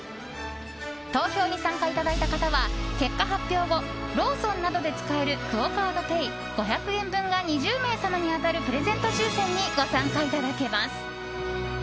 投票に参加いただいた方は結果発表後ローソンなどで使えるクオ・カードペイ５００円分が２０名様に当たるプレゼント抽選にご参加いただけます。